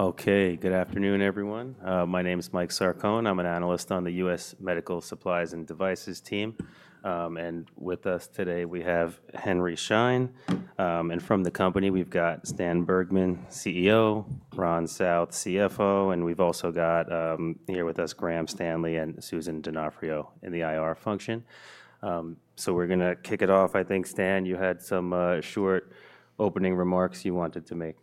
Okay, good afternoon, everyone. My name is Mike Sarcone. I'm an analyst on the U.S. Medical Supplies and Devices team. With us today, we have Henry Schein. From the company, we've got Stan Bergman, CEO, Ron South, CFO, and we've also got here with us Graham Stanley and Susan Donofrio in the IR function. We're going to kick it off. I think, Stan, you had some short opening remarks you wanted to make.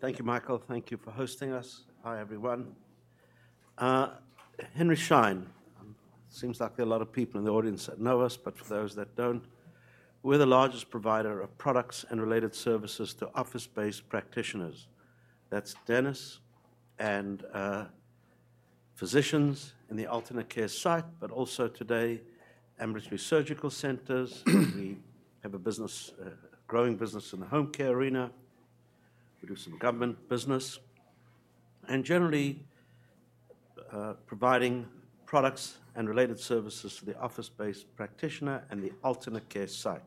Thank you, Michael. Thank you for hosting us. Hi, everyone. Henry Schein. Seems like there are a lot of people in the audience that know us, but for those that do not, we are the largest provider of products and related services to office-based practitioners. That is dentists and physicians in the alternate care site, but also today, ambulatory surgical centers. We have a growing business in the home care arena. We do some government business. Generally, providing products and related services to the office-based practitioner and the alternate care site.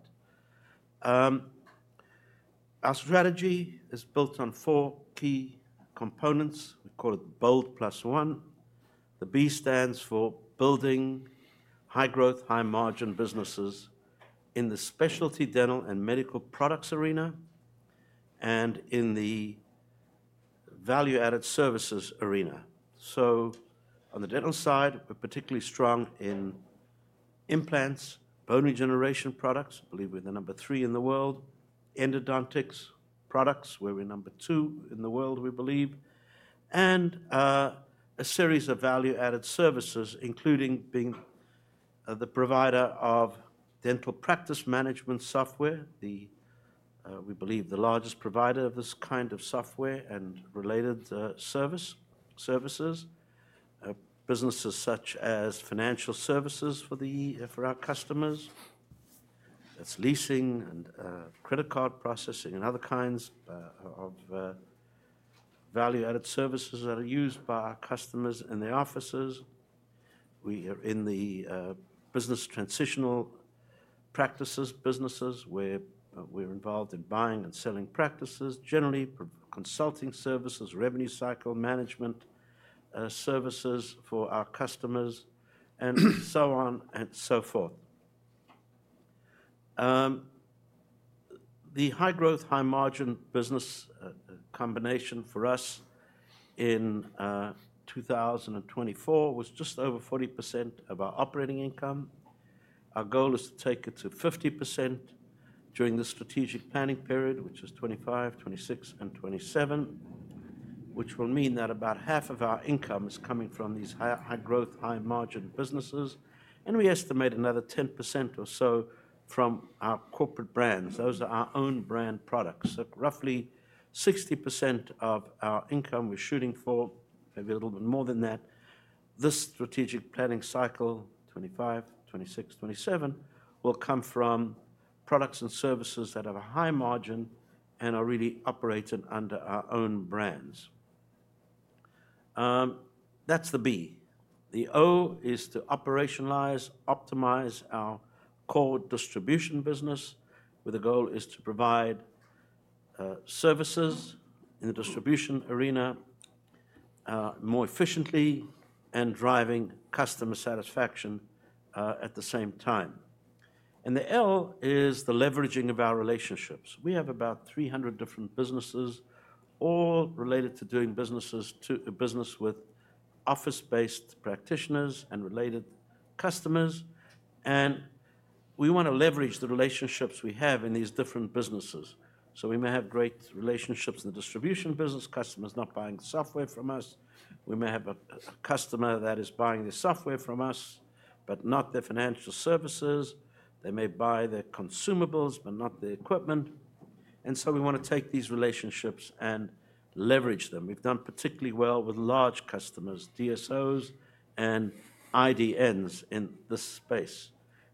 Our strategy is built on four key components. We call it BOLD+1. The B stands for building high-growth, high-margin businesses in the specialty Dental and Medical products arena and in the value-added services arena. On the Dental side, we are particularly strong in implants, bone regeneration products. I believe we are the number three in the world. Endodontics products, where we're number two in the world, we believe. A series of value-added services, including being the provider of dental practice management software, we believe the largest provider of this kind of software and related services. Businesses such as financial services for our customers. That's leasing and credit card processing and other kinds of value-added services that are used by our customers in the offices. We are in the business transitional practices businesses, where we're involved in buying and selling practices, generally consulting services, revenue cycle management services for our customers, and so on and so forth. The high growth, high margin business combination for us in 2024 was just over 40% of our operating income. Our goal is to take it to 50% during the strategic planning period, which is 2025, 2026, and 2027, which will mean that about half of our income is coming from these high growth, high margin businesses. We estimate another 10% or so from our corporate brands. Those are our own brand products. So roughly 60% of our income we're shooting for, maybe a little bit more than that, this strategic planning cycle, 2025, 2026, 2027, will come from products and services that have a high margin and are really operating under our own brands. That's the B. The O is to operationalize, optimize our core distribution business, where the goal is to provide services in the distribution arena more efficiently and driving customer satisfaction at the same time. The L is the leveraging of our relationships. We have about 300 different businesses, all related to doing business with office-based practitioners and related customers. We want to leverage the relationships we have in these different businesses. We may have great relationships in the distribution business, customers not buying the software from us. We may have a customer that is buying the software from us, but not their financial services. They may buy their consumables, but not the equipment. We want to take these relationships and leverage them. We've done particularly well with large customers, DSOs and IDNs in this space.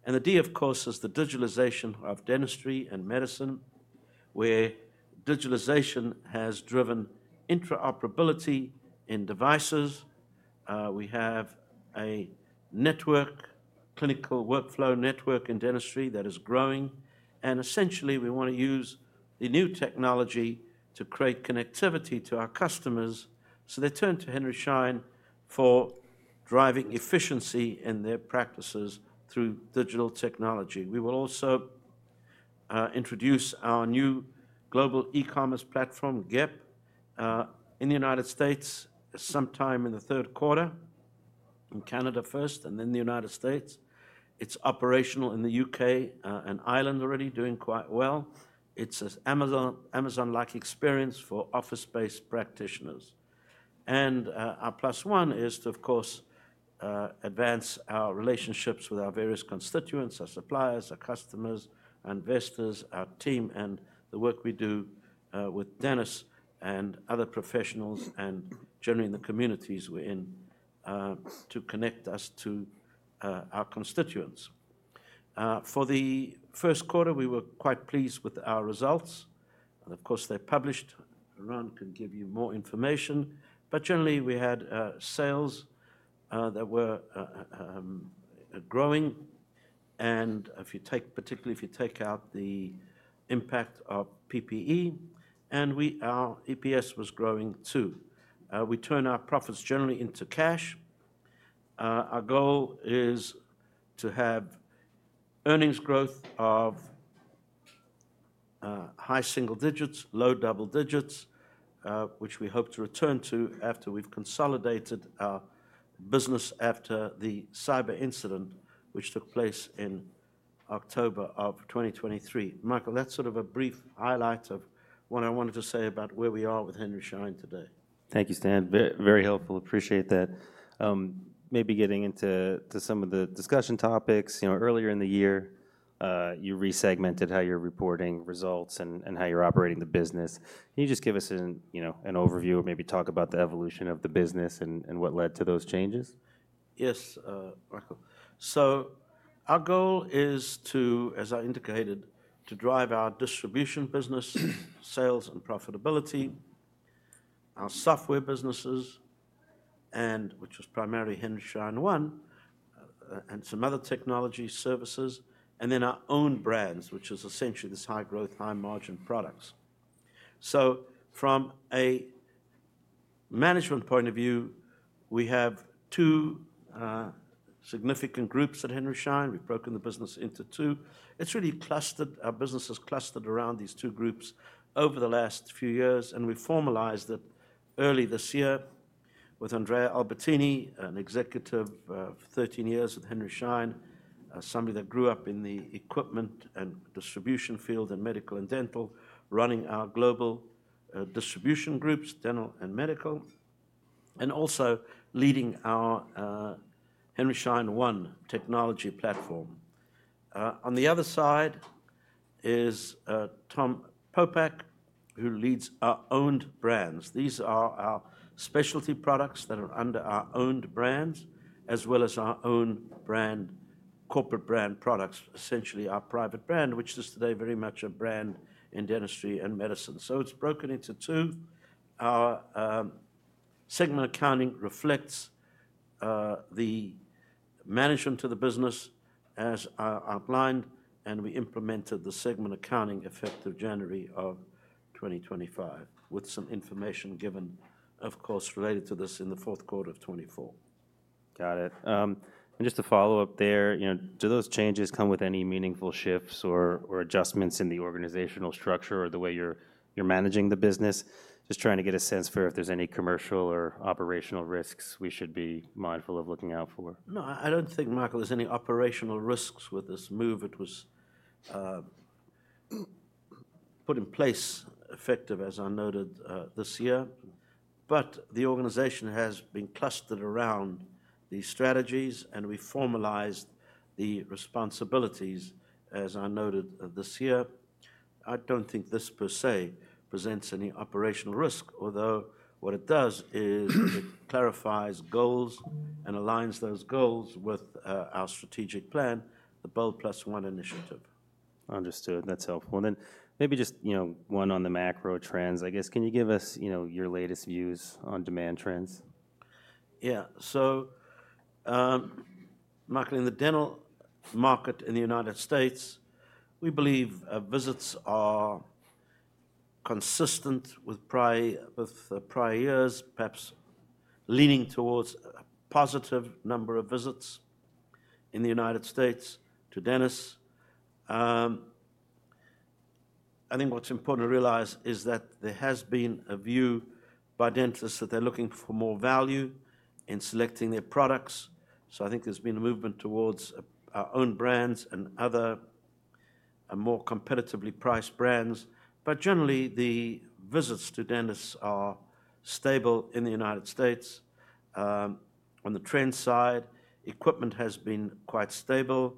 The D, of course, is the digitalization of dentistry and medicine, where digitalization has driven interoperability in devices. We have a network, clinical workflow network in dentistry that is growing. Essentially, we want to use the new technology to create connectivity to our customers. They turn to Henry Schein for driving efficiency in their practices through digital technology. We will also introduce our new global e-Commerce platform, GEP, in the United States sometime in the third quarter, in Canada first and then the United States. It is operational in the U.K. and Ireland already, doing quite well. It is an Amazon-like experience for office-based practitioners. Our +1 is to, of course, advance our relationships with our various constituents, our suppliers, our customers, our investors, our team, and the work we do with dentists and other professionals and generally in the communities we are in to connect us to our constituents. For the first quarter, we were quite pleased with our results. Of course, they are published. Ron can give you more information. Generally, we had sales that were growing. Particularly if you take out the impact of PPE, and our EPS was growing too. We turn our profits generally into cash. Our goal is to have earnings growth of high single digits, low double digits, which we hope to return to after we have consolidated our business after the cyber incident, which took place in October of 2023. Michael, that is sort of a brief highlight of what I wanted to say about where we are with Henry Schein today. Thank you, Stan. Very helpful. Appreciate that. Maybe getting into some of the discussion topics. Earlier in the year, you resegmented how you're reporting results and how you're operating the business. Can you just give us an overview or maybe talk about the evolution of the business and what led to those changes? Yes, Michael. Our goal is to, as I indicated, drive our distribution business, sales and profitability, our software businesses, which was primarily Henry Schein One, and some other technology services, and then our own brands, which is essentially this high growth, high margin products. From a management point of view, we have two significant groups at Henry Schein. We have broken the business into two. It is really clustered. Our business is clustered around these two groups over the last few years. We formalized it early this year with Andrea Albertini, an executive of 13 years at Henry Schein, somebody that grew up in the equipment and distribution field in medical and dental, running our global distribution groups, dental and medical, and also leading our Henry Schein One technology platform. On the other side is Tom Popeck, who leads our owned brands. These are our specialty products that are under our owned brands, as well as our own brand, corporate brand products, essentially our private brand, which is today very much a brand in dentistry and medicine. It is broken into two. Our segment accounting reflects the management of the business as our blind, and we implemented the segment accounting effective January of 2025, with some information given, of course, related to this in the fourth quarter of 2024. Got it. Just to follow up there, do those changes come with any meaningful shifts or adjustments in the organizational structure or the way you're managing the business? Just trying to get a sense for if there's any commercial or operational risks we should be mindful of looking out for. No, I do not think, Michael, there is any operational risks with this move. It was put in place effective, as I noted, this year. The organization has been clustered around these strategies, and we formalized the responsibilities, as I noted, this year. I do not think this per se presents any operational risk, although what it does is it clarifies goals and aligns those goals with our strategic plan, the BOLD+1 initiative. Understood. That's helpful. Maybe just one on the macro trends, I guess. Can you give us your latest views on demand trends? Yeah. Michael, in the dental market in the United States, we believe visits are consistent with prior years, perhaps leaning towards a positive number of visits in the United States to dentists. I think what's important to realize is that there has been a view by dentists that they're looking for more value in selecting their products. I think there's been a movement towards our own brands and other more competitively priced brands. Generally, the visits to dentists are stable in the United States. On the trend side, equipment has been quite stable.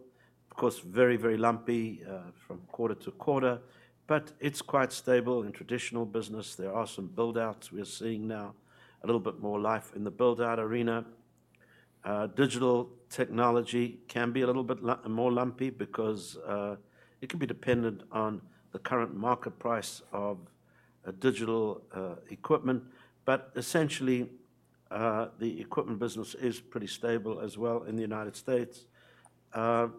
Of course, very, very lumpy from quarter to quarter, but it's quite stable in traditional business. There are some buildouts we're seeing now, a little bit more life in the buildout arena. Digital technology can be a little bit more lumpy because it can be dependent on the current market price of digital equipment. Essentially, the equipment business is pretty stable as well in the U.S.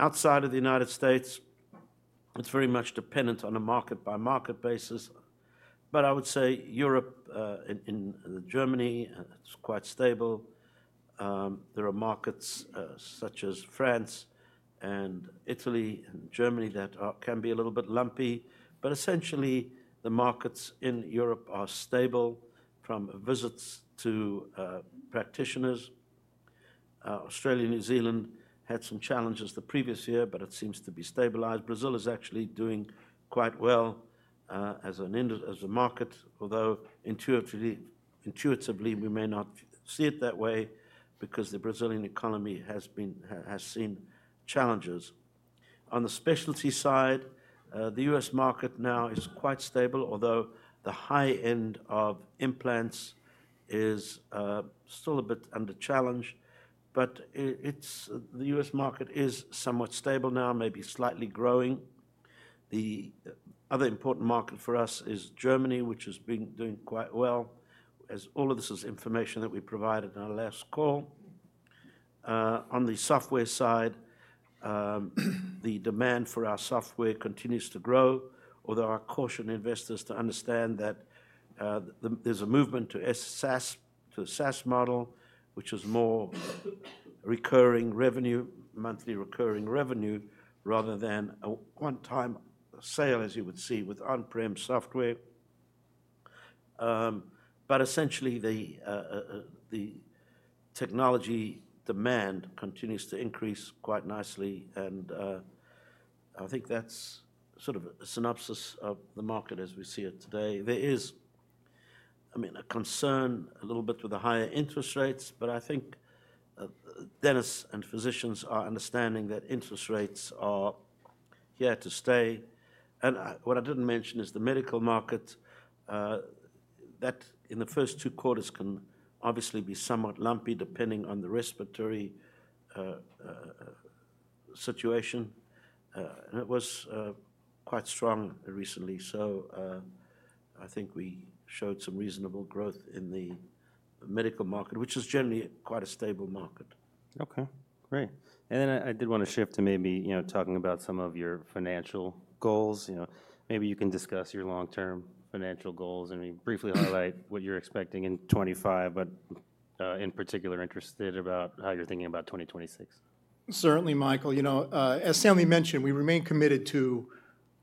Outside of the U.S., it is very much dependent on a market-by-market basis. I would say Europe, in Germany, it is quite stable. There are markets such as France and Italy and Germany that can be a little bit lumpy. Essentially, the markets in Europe are stable from visits to practitioners. Australia and New Zealand had some challenges the previous year, but it seems to be stabilized. Brazil is actually doing quite well as a market, although intuitively we may not see it that way because the Brazilian economy has seen challenges. On the specialty side, the U.S. market now is quite stable, although the high end of implants is still a bit under challenge. The U.S. market is somewhat stable now, maybe slightly growing. The other important market for us is Germany, which has been doing quite well. All of this is information that we provided on our last call. On the software side, the demand for our software continues to grow, although I caution investors to understand that there's a movement to SaaS model, which is more recurring revenue, monthly recurring revenue, rather than a one-time sale, as you would see with on-prem software. Essentially, the technology demand continues to increase quite nicely. I think that's sort of a synopsis of the market as we see it today. There is, I mean, a concern a little bit with the higher interest rates, but I think dentists and physicians are understanding that interest rates are here to stay. What I didn't mention is the medical market. That in the first two quarters can obviously be somewhat lumpy depending on the respiratory situation. It was quite strong recently. I think we showed some reasonable growth in the medical market, which is generally quite a stable market. Okay. Great. I did want to shift to maybe talking about some of your financial goals. Maybe you can discuss your long-term financial goals and briefly highlight what you're expecting in 2025, but in particular, interested about how you're thinking about 2026. Certainly, Michael. As Stanley mentioned, we remain committed to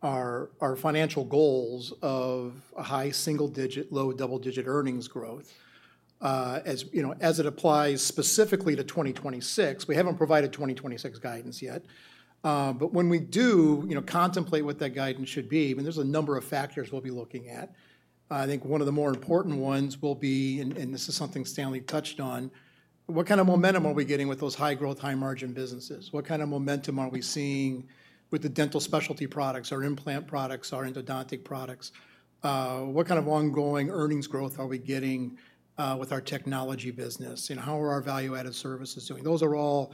our financial goals of a high single-digit, low double-digit earnings growth as it applies specifically to 2026. We haven't provided 2026 guidance yet. When we do contemplate what that guidance should be, I mean, there's a number of factors we'll be looking at. I think one of the more important ones will be, and this is something Stanley touched on, what kind of momentum are we getting with those high-growth, high-margin businesses? What kind of momentum are we seeing with the dental specialty products, our implant products, our endodontics products? What kind of ongoing earnings growth are we getting with our technology business? How are our value-added services doing? Those are all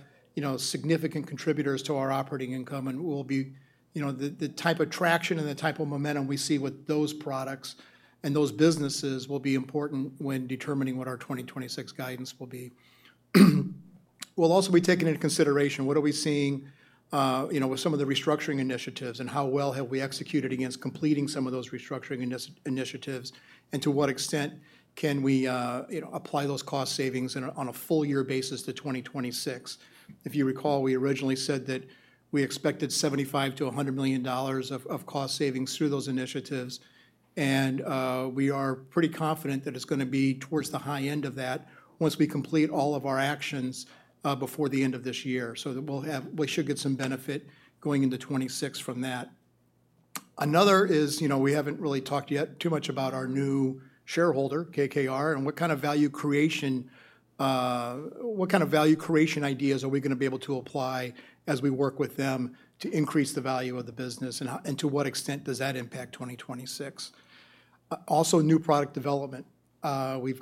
significant contributors to our operating income and will be the type of traction and the type of momentum we see with those products and those businesses will be important when determining what our 2026 guidance will be. We'll also be taking into consideration what are we seeing with some of the restructuring initiatives and how well have we executed against completing some of those restructuring initiatives and to what extent can we apply those cost savings on a full-year basis to 2026. If you recall, we originally said that we expected $75 million-$100 million of cost savings through those initiatives. We are pretty confident that it's going to be towards the high end of that once we complete all of our actions before the end of this year. We should get some benefit going into 2026 from that. Another is we haven't really talked yet too much about our new shareholder, KKR, and what kind of value creation, what kind of value creation ideas are we going to be able to apply as we work with them to increase the value of the business and to what extent does that impact 2026. Also, new product development. We've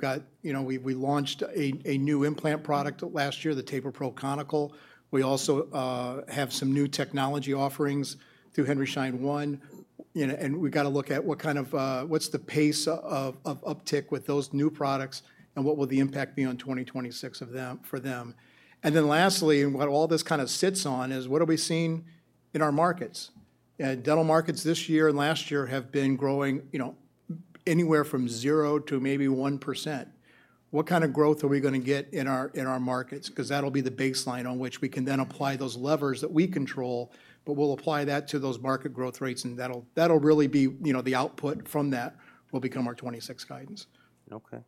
launched a new implant product last year, the Tapered Pro Conical. We also have some new technology offerings through Henry Schein One. We've got to look at what's the pace of uptick with those new products and what will the impact be on 2026 for them. Lastly, what all this kind of sits on is what are we seeing in our markets? Dental markets this year and last year have been growing anywhere from zero to maybe 1%. What kind of growth are we going to get in our markets? Because that'll be the baseline on which we can then apply those levers that we control, but we'll apply that to those market growth rates and that'll really be the output from that will become our 2026 guidance. Okay.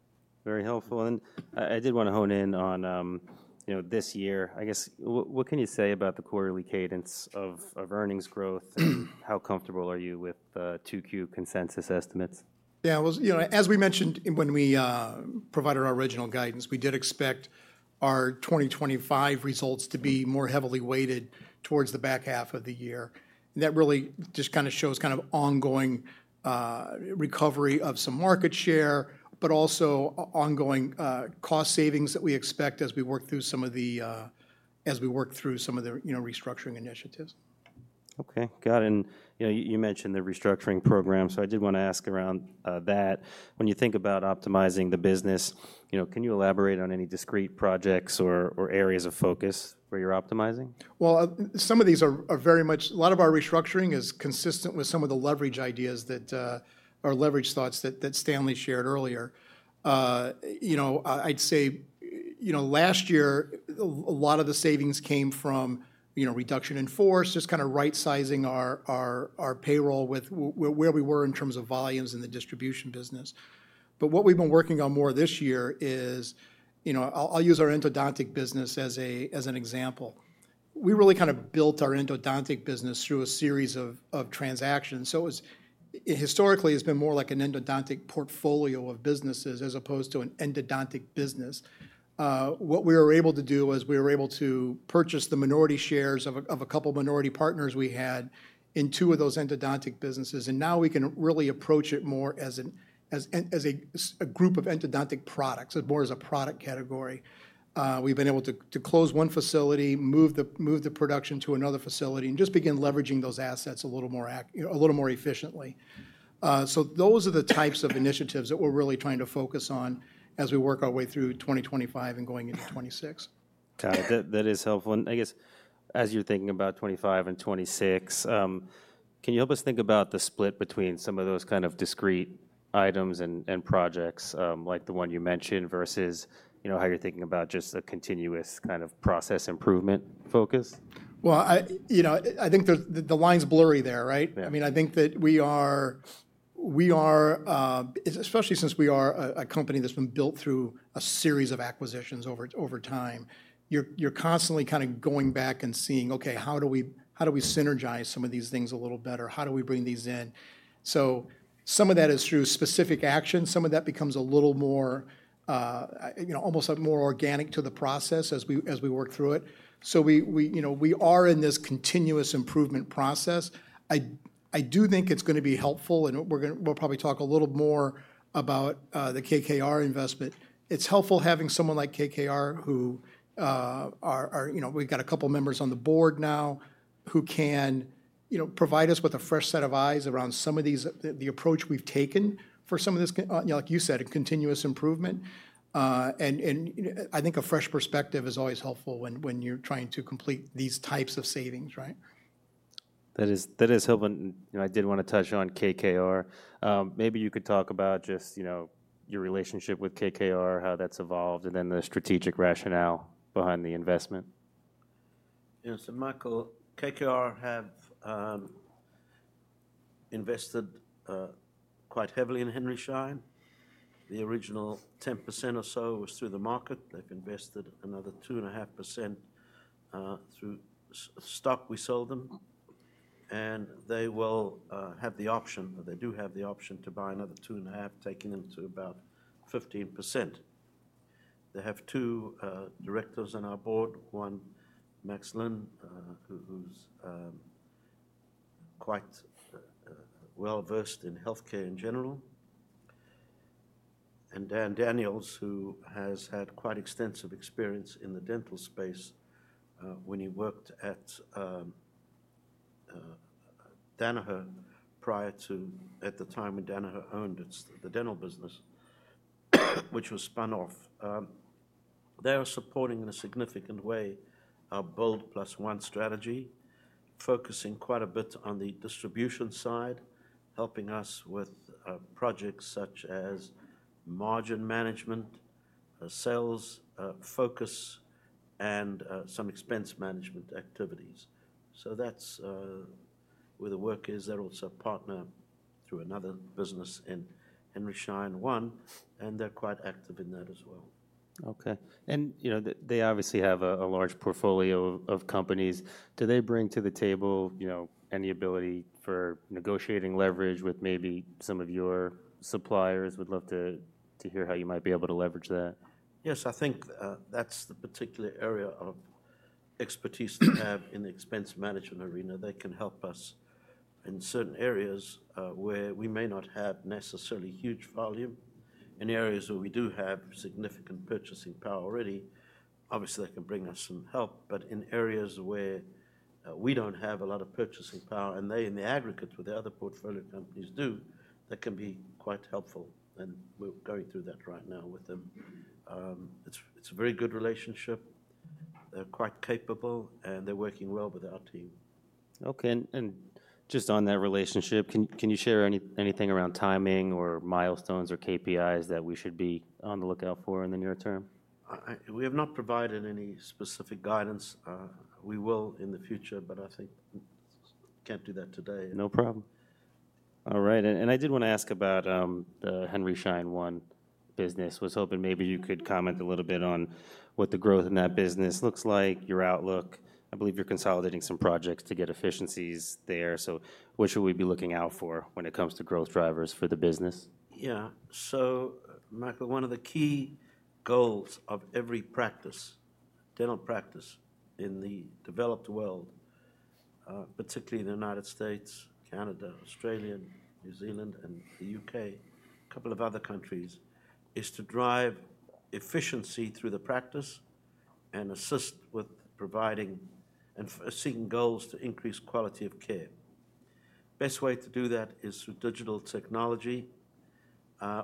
Very helpful. I did want to hone in on this year. I guess, what can you say about the quarterly cadence of earnings growth and how comfortable are you with the 2Q consensus estimates? Yeah. As we mentioned when we provided our original guidance, we did expect our 2025 results to be more heavily weighted towards the back half of the year. That really just kind of shows ongoing recovery of some market share, but also ongoing cost savings that we expect as we work through some of the restructuring initiatives. Okay. Got it. You mentioned the restructuring program, so I did want to ask around that. When you think about optimizing the business, can you elaborate on any discrete projects or areas of focus where you're optimizing? Some of these are very much, a lot of our restructuring is consistent with some of the leverage ideas that are leverage thoughts that Stanley shared earlier. I'd say last year, a lot of the savings came from reduction in force, just kind of right-sizing our payroll with where we were in terms of volumes in the distribution business. What we've been working on more this year is, I'll use our endodontic business as an example. We really kind of built our endodontic business through a series of transactions. Historically, it's been more like an endodontic portfolio of businesses as opposed to an endodontic business. What we were able to do was we were able to purchase the minority shares of a couple of minority partners we had in two of those endodontic businesses. We can really approach it more as a group of endodontic products, more as a product category. We have been able to close one facility, move the production to another facility, and just begin leveraging those assets a little more efficiently. Those are the types of initiatives that we are really trying to focus on as we work our way through 2025 and going into 2026. Got it. That is helpful. I guess, as you're thinking about 2025 and 2026, can you help us think about the split between some of those kind of discrete items and projects like the one you mentioned versus how you're thinking about just a continuous kind of process improvement focus? I think the line's blurry there, right? I mean, I think that we are, especially since we are a company that's been built through a series of acquisitions over time, you're constantly kind of going back and seeing, okay, how do we synergize some of these things a little better? How do we bring these in? Some of that is through specific actions. Some of that becomes a little more almost more organic to the process as we work through it. We are in this continuous improvement process. I do think it's going to be helpful, and we'll probably talk a little more about the KKR investment. It's helpful having someone like KKR who we've got a couple of members on the board now who can provide us with a fresh set of eyes around some of the approach we've taken for some of this, like you said, continuous improvement. I think a fresh perspective is always helpful when you're trying to complete these types of savings, right? That is helpful. I did want to touch on KKR. Maybe you could talk about just your relationship with KKR, how that's evolved, and then the strategic rationale behind the investment. Yeah. Michael, KKR have invested quite heavily in Henry Schein. The original 10% or so was through the market. They've invested another 2.5% through stock we sold them. They will have the option, or they do have the option to buy another 2.5%, taking them to about 15%. They have two directors on our board, one Max Lin, who's quite well-versed in healthcare in general, and "Dan" Daniel, who has had quite extensive experience in the dental space when he worked at Danaher prior to, at the time when Danaher owned the dental business, which was spun off. They are supporting in a significant way our BOLD+1 strategy, focusing quite a bit on the distribution side, helping us with projects such as margin management, sales focus, and some expense management activities. That's where the work is. They're also a partner through another business in Henry Schein One, and they're quite active in that as well. Okay. They obviously have a large portfolio of companies. Do they bring to the table any ability for negotiating leverage with maybe some of your suppliers? Would love to hear how you might be able to leverage that. Yes, I think that's the particular area of expertise they have in the expense management arena. They can help us in certain areas where we may not have necessarily huge volume. In areas where we do have significant purchasing power already, obviously they can bring us some help. In areas where we do not have a lot of purchasing power, and they in the aggregate with the other portfolio companies do, that can be quite helpful. We are going through that right now with them. It's a very good relationship. They're quite capable, and they're working well with our team. Okay. Just on that relationship, can you share anything around timing or milestones or KPIs that we should be on the lookout for in the near term? We have not provided any specific guidance. We will in the future, but I think can't do that today. No problem. All right. I did want to ask about the Henry Schein One business. I was hoping maybe you could comment a little bit on what the growth in that business looks like, your outlook. I believe you're consolidating some projects to get efficiencies there. What should we be looking out for when it comes to growth drivers for the business? Yeah. Michael, one of the key goals of every practice, dental practice in the developed world, particularly in the United States, Canada, Australia, New Zealand, and the U.K., a couple of other countries, is to drive efficiency through the practice and assist with providing and seeking goals to increase quality of care. Best way to do that is through digital technology.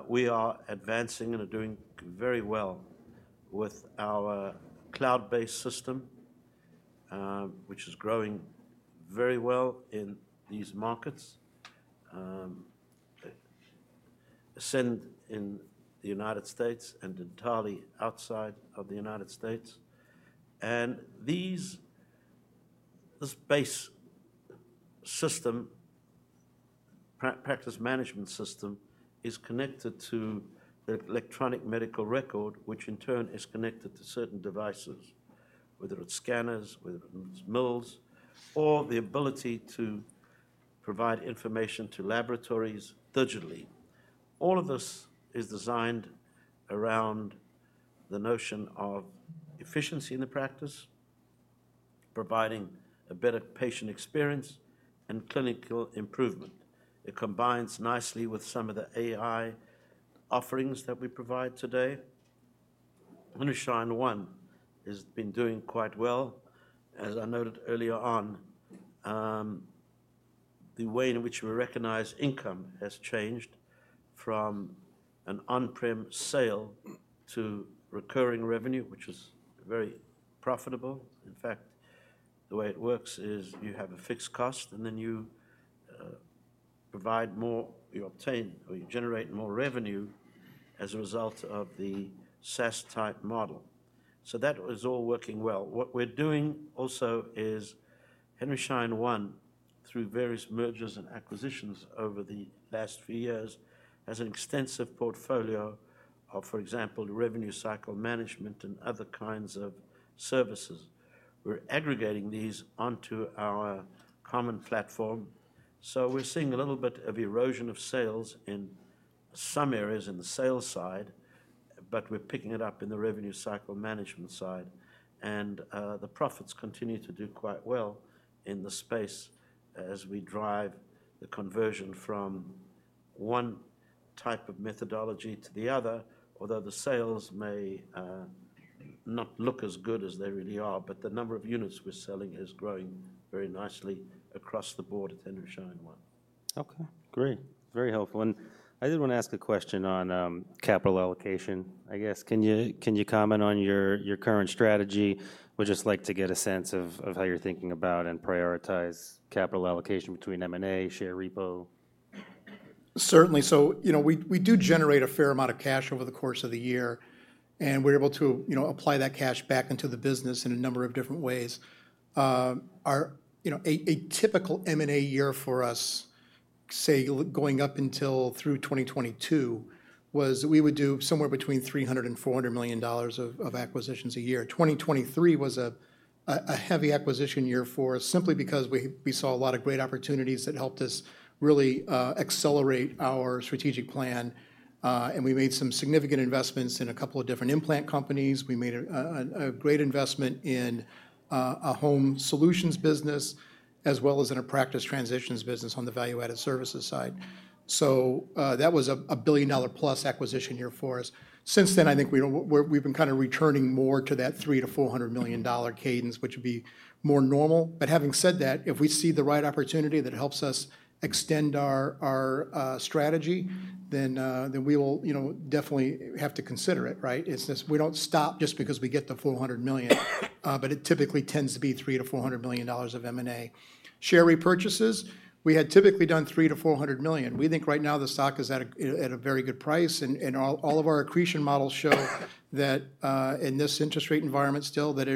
We are advancing and are doing very well with our cloud-based system, which is growing very well in these markets, in the United States and entirely outside of the United States. This base system, practice management system, is connected to the electronic medical record, which in turn is connected to certain devices, whether it's scanners, whether it's mills, or the ability to provide information to laboratories digitally. All of this is designed around the notion of efficiency in the practice, providing a better patient experience and clinical improvement. It combines nicely with some of the AI offerings that we provide today. Henry Schein One has been doing quite well. As I noted earlier on, the way in which we recognize income has changed from an on-prem sale to recurring revenue, which is very profitable. In fact, the way it works is you have a fixed cost, and then you provide more, you obtain or you generate more revenue as a result of the SaaS-type model. That is all working well. What we are doing also is Henry Schein One, through various mergers and acquisitions over the last few years, has an extensive portfolio of, for example, revenue cycle management and other kinds of services. We are aggregating these onto our common platform. We're seeing a little bit of erosion of sales in some areas in the sales side, but we're picking it up in the revenue cycle management side. The profits continue to do quite well in the space as we drive the conversion from one type of methodology to the other, although the sales may not look as good as they really are, but the number of units we're selling is growing very nicely across the board at Henry Schein One. Okay. Great. Very helpful. I did want to ask a question on capital allocation. I guess, can you comment on your current strategy? We'd just like to get a sense of how you're thinking about and prioritize capital allocation between M&A, share repo. Certainly. We do generate a fair amount of cash over the course of the year, and we're able to apply that cash back into the business in a number of different ways. A typical M&A year for us, say, going up until through 2022, was we would do somewhere between $300 million and $400 million of acquisitions a year. 2023 was a heavy acquisition year for us simply because we saw a lot of great opportunities that helped us really accelerate our strategic plan. We made some significant investments in a couple of different implant companies. We made a great investment in a home solutions business as well as in a practice transitions business on the value-added services side. That was a $1 billion+ acquisition year for us. Since then, I think we've been kind of returning more to that $300 million-$400 million cadence, which would be more normal. Having said that, if we see the right opportunity that helps us extend our strategy, then we will definitely have to consider it, right? It's just we don't stop just because we get the $400 million, but it typically tends to be $300 million-$400 million of M&A. Share repurchases, we had typically done $300 million-$400 million. We think right now the stock is at a very good price, and all of our accretion models show that in this interest rate environment still, that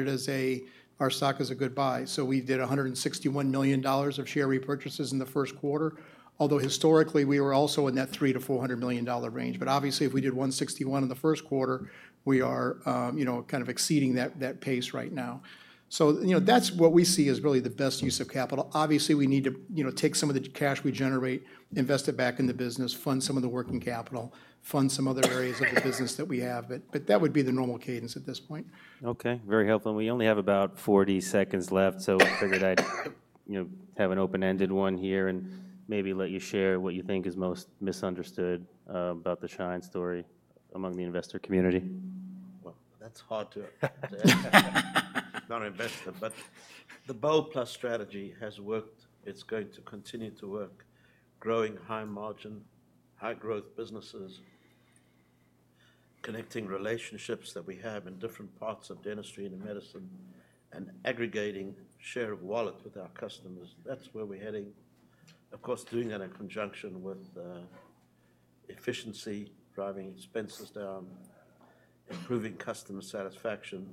our stock is a good buy. We did $161 million of share repurchases in the first quarter, although historically we were also in that $300 million-$400 million range. Obviously, if we did $161 million in the first quarter, we are kind of exceeding that pace right now. That is what we see as really the best use of capital. Obviously, we need to take some of the cash we generate, invest it back in the business, fund some of the working capital, fund some other areas of the business that we have. That would be the normal cadence at this point. Okay. Very helpful. We only have about 40 seconds left, so I figured I'd have an open-ended one here and maybe let you share what you think is most misunderstood about the Schein story among the investor community. That is hard to—not an investor, but te BOLD+1 strategy has worked. It is going to continue to work, growing high-margin, high-growth businesses, connecting relationships that we have in different parts of dentistry and medicine, and aggregating share of wallet with our customers. That is where we are heading. Of course, doing that in conjunction with efficiency, driving expenses down, improving customer satisfaction,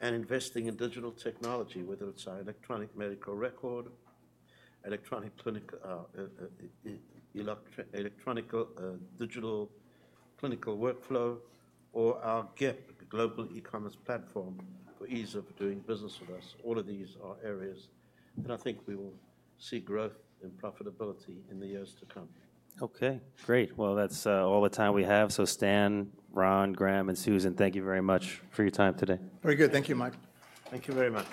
and investing in digital technology, whether it is our electronic medical record, electronic digital clinical workflow, or our GEP, the global e-Commerce platform, for ease of doing business with us. All of these are areas that I think we will see growth in profitability in the years to come. Okay. Great. That is all the time we have. Stan, Ron, Graham, and Susan, thank you very much for your time today. Very good. Thank you, Mike. Thank you very much.